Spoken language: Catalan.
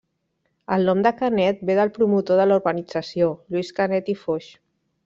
El nom de Canet ve del promotor de la urbanització, Lluís Canet i Foix.